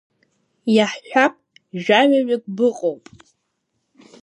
Иаҳҳәап, жәаҩаҩык быҟоуп…